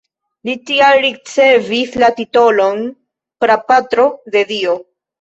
Li tial ricevis la titolon "prapatro de dio".